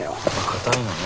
固いのね。